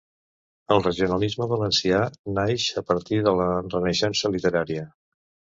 El regionalisme valencià naix a partir de la Renaixença literària.